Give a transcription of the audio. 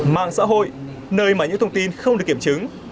mạng xã hội nơi mà những thông tin không được kiểm chứng